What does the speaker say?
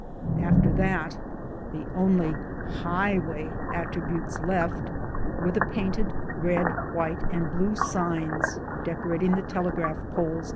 * After that the only highway" attributes left were the painted red, white and blue signs decorating the telegraph poles along ^ See Map No.